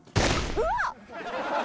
うわっ！